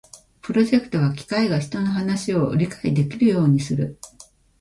プロジェクトは機械が人の話を理解できるようにする